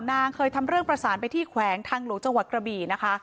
นางเคยทำเรื่องประสานไปที่แขวงทางหลวงจังหวัดกระบี่นะคะ